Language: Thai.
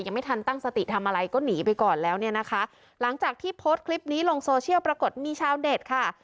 ยังไม่ทันตั้งสติทำอะไรก็หนีไปก่อนแล้วเนี่ยนะคะหลังจากที่โพสต์คลิปนี้ลงโซเชียลปรากฏมีชาวเน็ตค่ะ